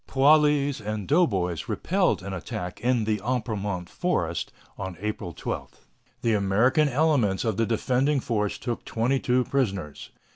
Poilus and doughboys repelled an attack in the Apremont Forest on April 12. The American elements of the defending force took twenty two prisoners.